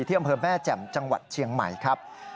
อำเภอแม่แจ่มจังหวัดเชียงใหม่ครับ